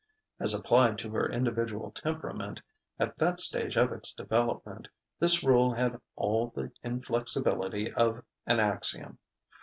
As applied to her individual temperament, at that stage of its development, this rule had all the inflexibility of an axiom.